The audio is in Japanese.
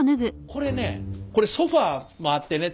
これねこれソファーもあってね